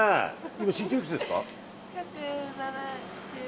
身長いくつですか？